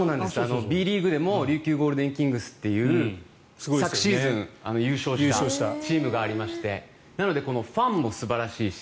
Ｂリーグでも琉球ゴールデンキングスという昨シーズンに優勝したチームがありましてなのでファンも素晴らしいし